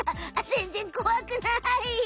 ぜんぜんこわくない！